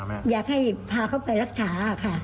อยากให้พาเขาไปรักษาค่ะ